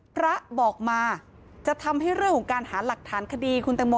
พระบอกมาจะทำให้เรื่องของการหาหลักฐานคดีคุณแตงโม